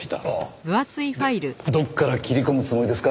でどこから切り込むつもりですか？